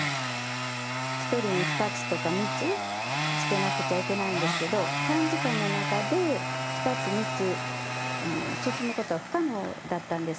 １人に２つとか３つつけなくちゃいけないんですけど、短時間の中で２つ、３つ包むことは不可能だったんです。